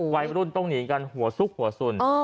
วัยรุ่นต้องหนีกันหัวซุกหัวสุน